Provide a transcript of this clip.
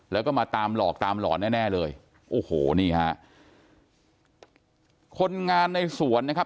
แล้วก็มาตามหลอกตามหลอนแน่แน่เลยโอ้โหนี่ฮะคนงานในสวนนะครับ